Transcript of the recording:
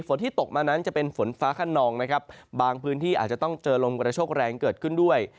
ที่ตกมานั้นจะเป็นฝนฟ้าขนองนะครับบางพื้นที่อาจจะต้องเจอลมกระโชคแรงเกิดขึ้นด้วย